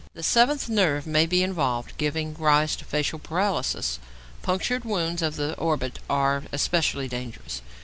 The seventh nerve may be involved, giving rise to facial paralysis. Punctured wounds of the orbit are especially dangerous.